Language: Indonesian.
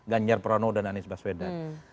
ganjar pranowo dan anies baswedan